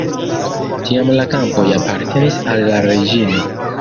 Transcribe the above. Tiam la kampoj apartenis al la reĝino.